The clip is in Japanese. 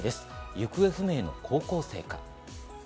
行方不明の高校生か。